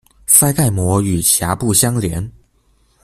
腮盖膜与峡部相连。